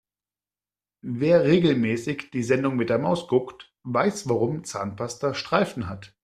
Wer regelmäßig die Sendung mit der Maus guckt, weiß warum Zahnpasta Streifen hat.